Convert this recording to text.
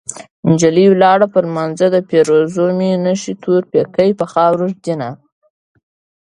نجلۍ ولاړه په لمانځه ده پېرزو مې نشي تور پيکی په خاورو ږدينه